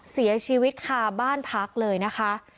เสียชีวิตคาบ้านพักเลยนะคะ